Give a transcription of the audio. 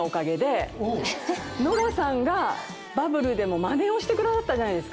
ノラさんがバブルでまねをしてくださったじゃない。